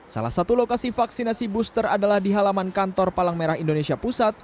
salah satu lokasi vaksinasi booster adalah di halaman kantor palang merah indonesia pusat